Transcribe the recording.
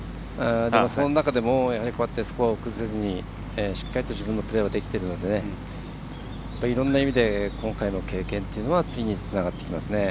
その中でもスコアを崩さずにしっかりと自分のプレーをできているのでいろんな意味で今回の経験というのは次につながってきますね。